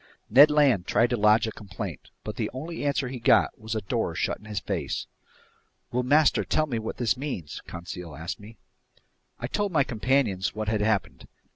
Ned Land tried to lodge a complaint, but the only answer he got was a door shut in his face. "Will master tell me what this means?" Conseil asked me. I told my companions what had happened.